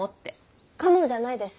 「かも」じゃないです。